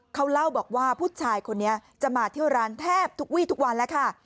เขาเล่าบอกว่าผู้ชายคนนี้จะมาเที่ยวร้านแทบทุกวี่ทุกวันแล้วค่ะ